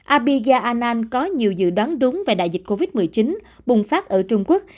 abiga anan có nhiều dự đoán đúng về đại dịch covid một mươi chín bùng phát ở trung quốc